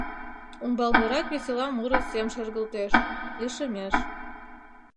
Умбалнырак весела муро сем шергылтеш, лишемеш.